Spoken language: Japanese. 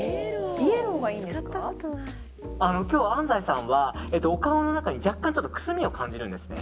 今日、安西さんはお顔の中に若干くすみを感じるんですね。